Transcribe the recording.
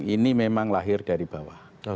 ini memang lahir dari bawah